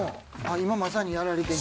今まさにやられてる。